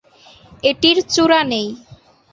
এটির চূড়া নেই।